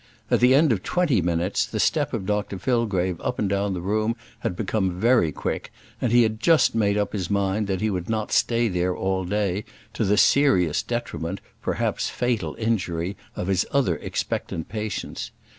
At the end of twenty minutes the step of Dr Fillgrave up and down the room had become very quick, and he had just made up his mind that he would not stay there all day to the serious detriment, perhaps fatal injury, of his other expectant patients.